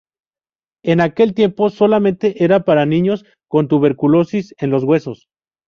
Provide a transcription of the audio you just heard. En aquel tiempo, solamente era para niños con tuberculosis en los huesos.